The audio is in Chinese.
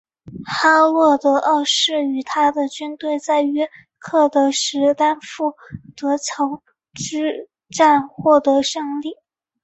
哈洛德二世与他的军队在约克的史丹福德桥之战获得胜利。